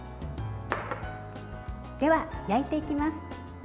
では、焼いていきます。